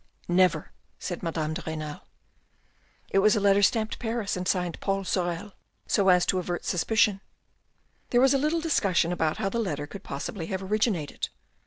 " Never," said Madame de Renal. " It was a letter stamped Paris and signed Paul Sorel so as to avert suspicion." There was a little discussion about how the letter could possibly have originated.